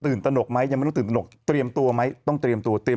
ขึมตนอกไหมจะมาดูตนกเตรียมตัวไหมต้องเตรียมตัวเตรียม